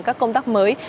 các công tác bảo hiểm